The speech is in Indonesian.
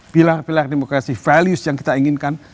pilar pilar demokrasi values yang kita inginkan